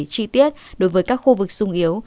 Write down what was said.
chi tiết đối với các khu vực sung yếu